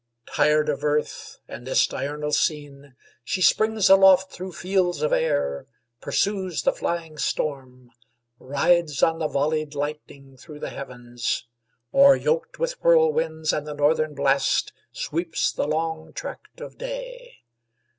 Tired of earth And this diurnal scene, she springs aloft Through fields of air; pursues the flying storm; Rides on the volleyed lightning through the heavens; Or, yoked with whirlwinds and the northern blast, Sweeps the long tract of day.